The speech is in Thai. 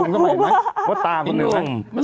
แล้วตาคุณนะ